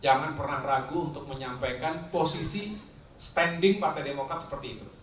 jangan pernah ragu untuk menyampaikan posisi standing partai demokrat seperti itu